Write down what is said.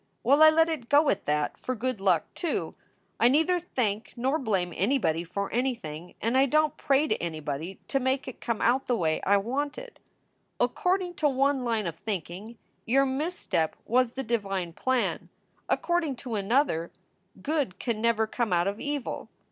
Well, I let it go at that for good luck, too. I neither thank nor blame Any body for anything, and I don t pray to Anybody to make it come out the way I want it. According to one line of think ing, your misstep was the divine plan. According to another, good can never come out of evil.